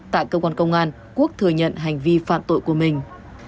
tại cơ quan công an quốc thừa nhận hành vi phạm tội của mình